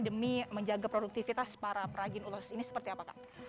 demi menjaga produktivitas para peragin ulas ini seperti apa kak